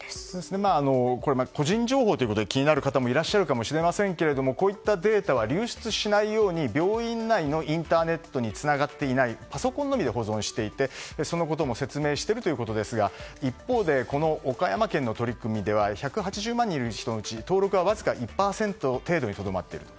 個人情報ということで気になる方もいらっしゃるかもしれませんがこういったデータは流出しないように病院内のインターネットにつながっていないパソコンのみで保存していてそのことも説明しているということですが一方で、岡山県の取り組みでは１８０万人いるうちの人のうち登録は１％程度にとどまっていると。